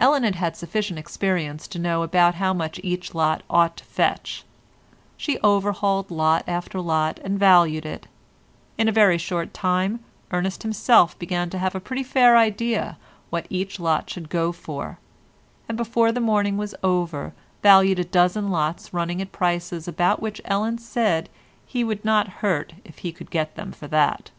Ellen had had sufficient experience to know about how much each lot ought to fetch; she overhauled lot after lot, and valued it; in a very short time Ernest himself began to have a pretty fair idea what each lot should go for, and before the morning was over valued a dozen lots running at prices about which Ellen said he would not hurt if he could get them for that.